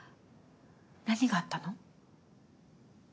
何があったの？